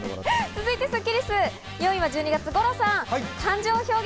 続いてスッキりす、４位は１２月、五郎さん。